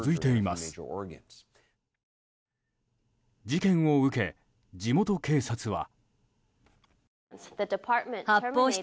事件を受け、地元警察は。